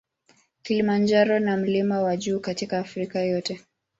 Kilimanjaro na mlima wa juu katika Afrika yote.